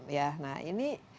ya nah ini